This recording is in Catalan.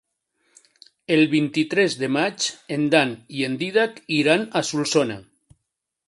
El vint-i-tres de maig en Dan i en Dídac iran a Solsona.